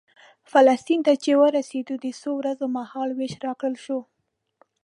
فلسطین ته چې ورسېدو د څو ورځو مهال وېش راکړل شو.